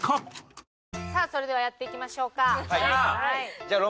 さあそれではやっていきましょうか。